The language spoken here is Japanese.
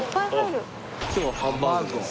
今日はハンバーグです。